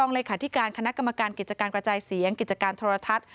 เลขาธิการคณะกรรมการกิจการกระจายเสียงกิจการโทรทัศน์